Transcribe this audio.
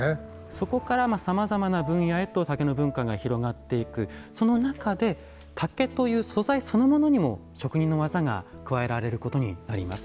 そこからさまざまな分野へと竹の文化が広がっていくその中で竹という素材そのものにも職人の技が加えられることになります。